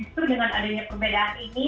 itu dengan adanya perbedaan ini